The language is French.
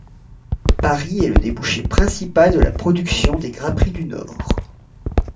Paris est le débouché principal de la production des Grapperies du Nord.